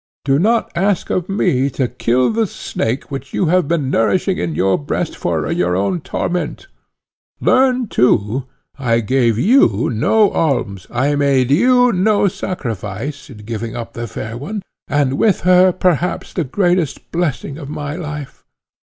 Do not ask of me to kill the snake, which you have been nourishing in your breast for your own torment; learn too, I gave you no alms, I made you no sacrifice, in giving up the fair one, and with her, perhaps, the greatest blessing of my life.